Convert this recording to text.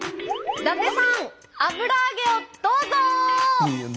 「伊達さん油揚げをどうぞ」。